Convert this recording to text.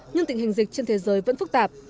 nhưng tình hình dịch trên thế giới vẫn phức tạp